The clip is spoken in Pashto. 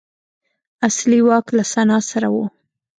اصلي واک له سنا سره و.